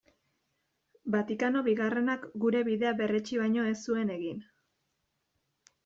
Vatikano Bigarrenak gure bidea berretsi baino ez zuen egin.